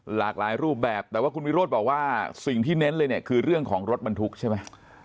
หลากหลายรูปแบบแต่ว่าคุณวิโรธบอกว่าสิ่งที่เน้นเลยเนี่ยคือเรื่องของรถบรรทุกใช่ไหม